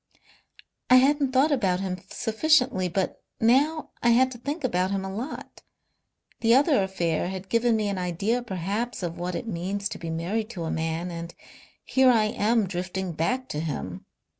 "I hadn't thought about him sufficiently. But now I had to think about him a lot. The other affair had given me an idea perhaps of what it means to be married to a man. And here I am drifting back to him.